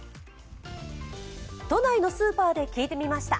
都内のスーパーで聞いてみました。